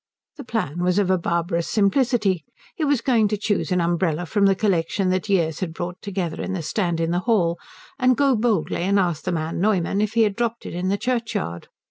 The plan was of a barbarous simplicity: he was going to choose an umbrella from the collection that years had brought together in the stand in the hall, and go boldly and ask the man Neumann if he had dropped it in the churchyard.